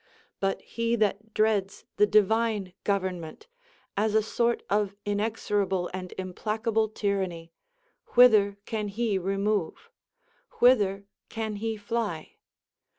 But he that dreads the divine government, as a sort of inexorable and implacable tyranny, whither 172 OF SUPERSTITION nan he remove? AVhitlier can he fly'?